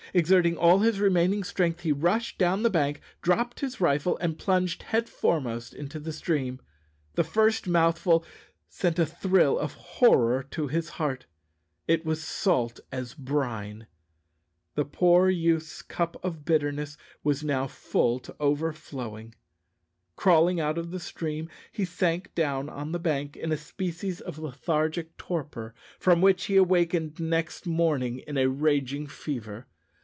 Exerting all his remaining strength he rushed down the bank, dropped his rifle, and plunged headforemost into the stream. The first mouthful sent a thrill of horror to his heart; it was salt as brine! The poor youth's cup of bitterness was now full to overflowing. Crawling out of the stream, he sank down on the bank in a species of lethargic torpor, from which, he awakened next morning in a raging fever.